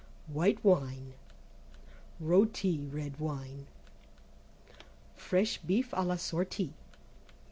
(White Wine). Rôti (Red Wine). Fresh Beef à la sortie.